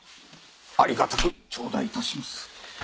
ありがたく頂戴致します